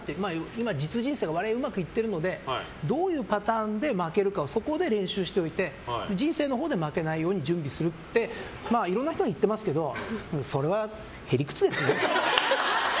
今、実人生が割合うまくいっているのでどういうパターンで負けるかそこで練習しておいて人生のほうで負けないようにするっていろんな人に言ってますけどそれは屁理屈ですね。